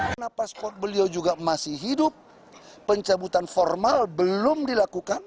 karena paspor beliau juga masih hidup pencabutan formal belum dilakukan